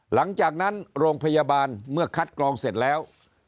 หลังจากนั้นโรงพยาบาลเมื่อคัดกรองเสร็จแล้ว